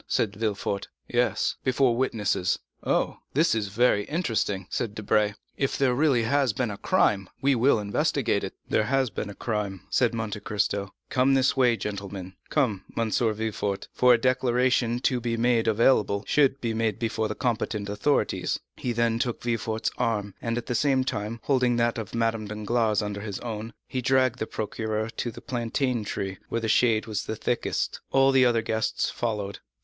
said Villefort. "Yes, before witnesses." "Oh, this is very interesting," said Debray; "if there really has been a crime, we will investigate it." "There has been a crime," said Monte Cristo. "Come this way, gentlemen; come, M. Villefort, for a declaration to be available, should be made before the competent authorities." He then took Villefort's arm, and, at the same time, holding that of Madame Danglars under his own, he dragged the procureur to the plantain tree, where the shade was thickest. All the other guests followed.